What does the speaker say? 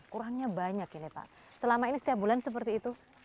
kurangnya banyak ini pak selama ini setiap bulan seperti itu